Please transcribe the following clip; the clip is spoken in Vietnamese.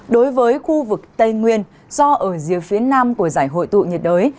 đối với khu vực tây nguyên do ở dưới phía nam của giải hội tụ nhiệt đới